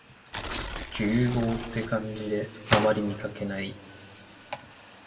牛蒡って漢字であまり見かけない